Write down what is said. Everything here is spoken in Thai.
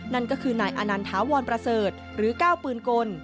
นั่นก็คือนายอนันถาวรประเสริฐหรือก้าวปืนกล